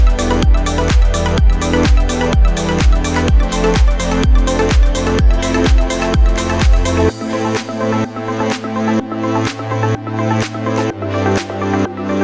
kamu sudah pulang